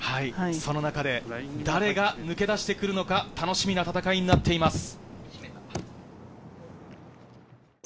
その中で誰が抜け出してくるのか楽しみな戦いになっています。